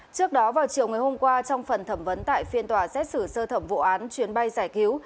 trước đó vào chiều ngày hôm qua trong phần thẩm vấn tại phiên tòa xét xử sơ thẩm vụ án chuyến bay giải cứu